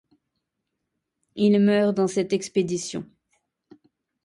Il meurt dans cette expédition.